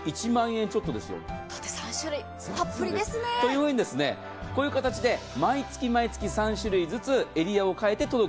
３種類、たっぷりです。というふうにこういう形で毎月３種類ずつエリアを変えて届く。